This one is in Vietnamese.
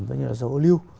giống như là dầu ô lưu